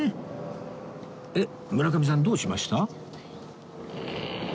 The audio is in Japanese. えっ村上さんどうしました？